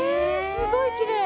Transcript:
すごいきれい。